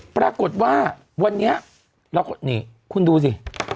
ปรากฏว่าวันนี้นี่คุณดูสิ